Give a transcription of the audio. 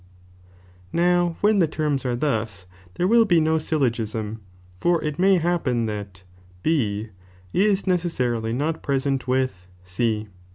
now when the terms are thus, there will be no syl logisin, for it may happen that B is necessarily not present with C.